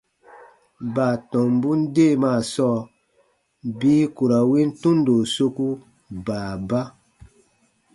Baatɔmbun deemaa sɔɔ bii ku ra win tundo soku baaba.